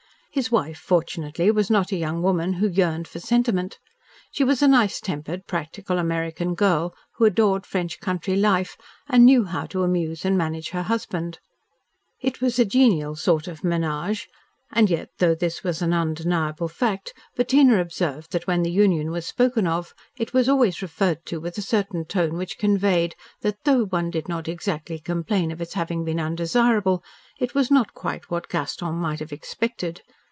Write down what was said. His wife, fortunately, was not a young woman who yearned for sentiment. She was a nice tempered, practical American girl, who adored French country life and knew how to amuse and manage her husband. It was a genial sort of menage and yet though this was an undeniable fact, Bettina observed that when the union was spoken of it was always referred to with a certain tone which conveyed that though one did not exactly complain of its having been undesirable, it was not quite what Gaston might have expected.